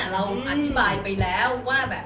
ใช้เวลาประมาณสักครึ่งกี่โมงแล้ว